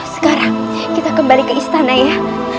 sekarang kita kembali ke istana ya